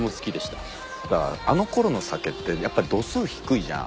ただあのころの酒ってやっぱ度数低いじゃん。